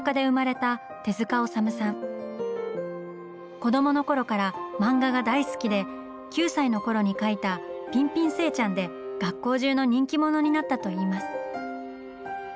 子どもの頃から漫画が大好きで９歳の頃に描いた「ピンピン生チャン」で学校中の人気者になったといいます。